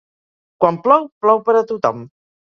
Quan plou, plou per a tothom.